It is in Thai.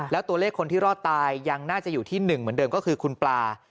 แล้วตัวเลขคนที่รอดตายยังน่าจะอยู่ที่๑เหมือนเดิมก็คือคุณปลา